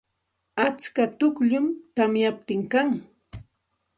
Atska tukllum tamyaptin kan.